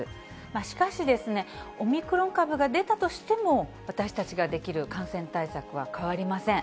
しかし、オミクロン株が出たとしても、私たちができる感染対策は変わりません。